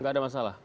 tidak ada masalah